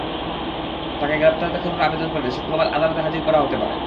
তাঁকে গ্রেপ্তার দেখানোর আবেদন করে শুক্রবার আদালতে হাজির করা হতে পারে।